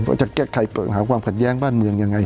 ว่าจะแก้ไขปัญหาความขัดแย้งบ้านเมืองยังไง